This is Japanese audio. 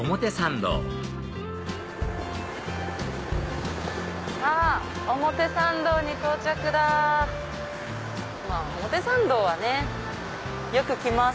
まぁ表参道はねよく来ます。